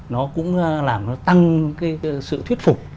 nó cũng làm nó tăng cái sự thuyết phục